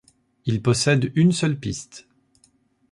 Il possède une seule piste.